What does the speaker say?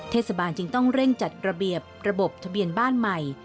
เทศบาลจึงต้องเร่งจัดระเบียบระบบทะเบียนบ้านใหม่